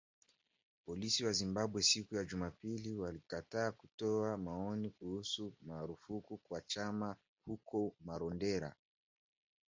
Polisi wa Zimbabwe siku ya Jumapili walikataa kutoa maoni kuhusu marufuku kwa chama huko Marondera